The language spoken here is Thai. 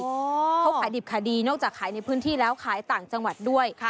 เขาขายดิบขายดีนอกจากขายในพื้นที่แล้วขายต่างจังหวัดด้วย